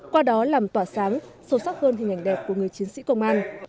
qua đó làm tỏa sáng sâu sắc hơn hình ảnh đẹp của người chiến sĩ công an